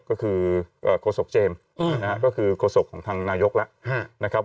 ก็คือโฆษกเจมส์นะฮะก็คือโฆษกของทางนายกแล้วนะครับ